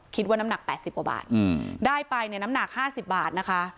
คิดว่าน้ำหนัก๘๐กว่าบาทได้ไปเนี่ยน้ำหนัก๕๐บาทนะคะ